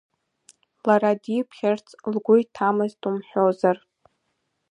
Лара диԥхьарц лгәы иҭамызт умҳәозар.